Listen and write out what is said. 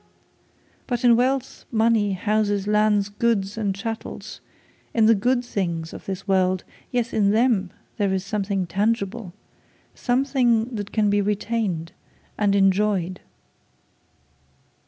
But in wealth, money, houses, lands, goods and chattels, in the good things of this world, yes, in them there is something tangible, something that can be retained and enjoyed.'